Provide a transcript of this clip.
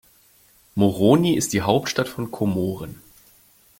Moroni ist die Hauptstadt von Komoren.